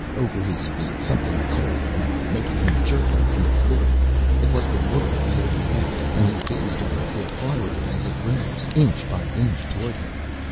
Over his feet something cold ran, making him jerk them from the floor. It was the water of the oubliette, and he gazed on it with horror as it rose, inch by inch, toward him.